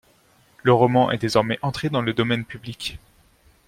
Le roman est désormais entré dans le domaine public.